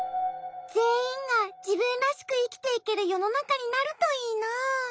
ぜんいんがじぶんらしくいきていけるよのなかになるといいな。